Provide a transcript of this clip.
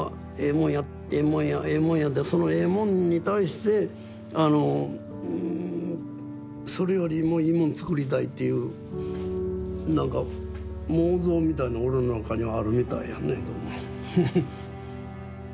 もんやええもんやええもんやってそのええもんに対してそれよりもいいもん作りたいっていうなんか妄想みたいの俺の中にはあるみたいやねどうも。